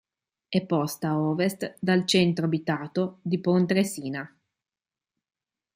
È posta a ovest dal centro abitato di Pontresina.